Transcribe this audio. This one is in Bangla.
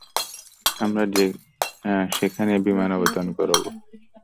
আমরা সেখানেই বিমান অবতরণ করবো।